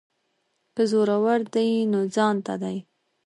که زورور دی نو ځانته دی.